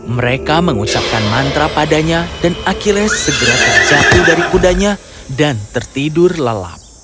mereka mengucapkan mantra padanya dan achilles segera terjatuh dari kudanya dan tertidur lelap